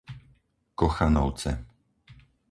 Kochanovce